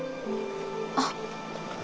あっ。